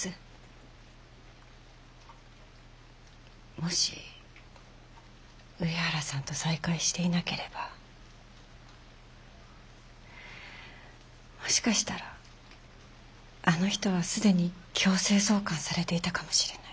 もし上原さんと再会していなければもしかしたらあの人は既に強制送還されていたかもしれない。